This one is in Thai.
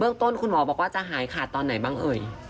ต้นคุณหมอบอกว่าจะหายขาดตอนไหนบ้างเอ่ย